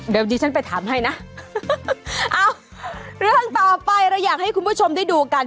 เดี๋ยวดิฉันไปถามให้นะเอ้าเรื่องต่อไปเราอยากให้คุณผู้ชมได้ดูกัน